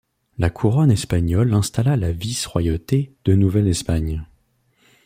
La couronne espagnole installa la vice-royauté de Nouvelle-Espagne.